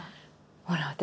ほら私